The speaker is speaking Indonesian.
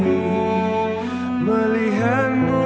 udah makin keras itu